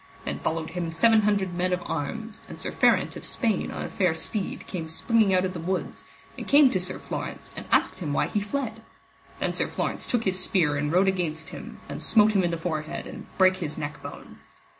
Then followed him seven hundred men of arms; and Sir Ferant of Spain on a fair steed came springing out of the woods, and came to Sir Florence and asked him why he fled. Then Sir Florence took his spear and rode against him, and smote him in the forehead and brake his neck bone.